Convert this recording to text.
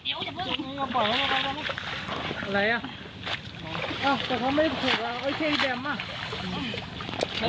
อ้าวแต่เขาไม่โผล่อ้าวเอาเชล้ยแบม่มา